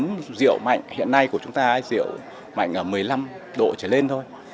uống rượu mạnh hiện nay của chúng ta rượu mạnh ở một mươi năm độ trở lên thôi